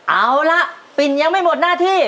เอาละปิ่นยังไม่หมดหน้าที่